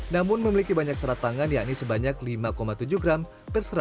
namun memiliki banyak seratangan yakni sebanyak lima tujuh gram per seratus gram